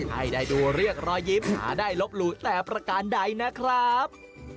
ให้ได้ดูเรียกรอยยิ้มหาได้ลบหลู่แต่ประการใดนะครับ